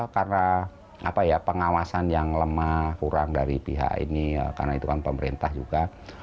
karena pengawasan yang lemah kurang dari pihak ini karena itu kan pemerintah juga